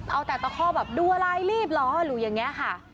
เอาแต่ตะคอกแบบดูอะไรรีบเหรอหรืออย่างนี้ค่ะ